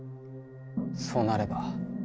そうなれば。